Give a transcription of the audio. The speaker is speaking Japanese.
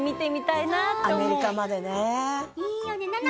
アメリカまでね。